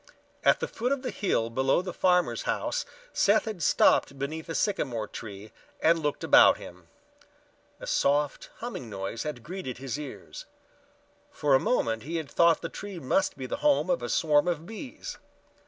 At the foot of the hill below the farmer's house Seth had stopped beneath a sycamore tree and looked about him. A soft humming noise had greeted his ears. For a moment he had thought the tree must be the home of a swarm of bees.